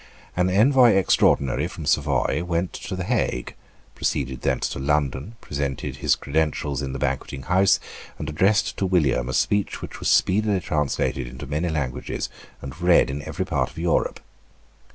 An Envoy Extraordinary from Savoy went to the Hague, proceeded thence to London, presented his credentials in the Banqueting House, and addressed to William a speech which was speedily translated into many languages and read in every part of Europe.